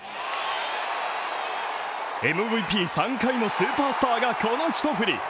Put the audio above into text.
ＭＶＰ３回のスーパースターが、この一振り。